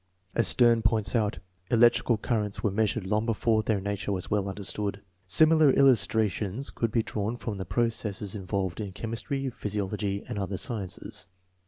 As Stern points out, electrical currents were measured long before I heir nature was well understood. Similar illustra tions could be drawn from the processes involved in chem istry, physiology, and other sciences.